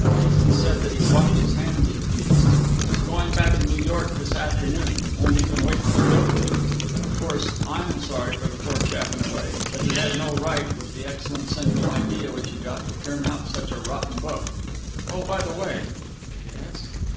At least, he said that he washed his hands of the piece. He's going back to New York this afternoon won't even wait for the opening. Of course, I'm sorry for the poor chap in a way, but he had no right, with the excellent central idea which he got, to turn out such a rotten book. Oh, by the way!" "Yes?"